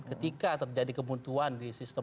ketika terjadi kebuntuan di sistem